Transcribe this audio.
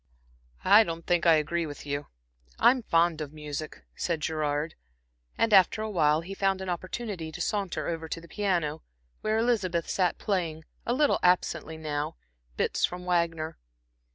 "I don't think I agree with you. I'm fond of music," said Gerard, and after awhile he found an opportunity to saunter over to the piano, where Elizabeth sat playing, a little absently now, bits from Wagner.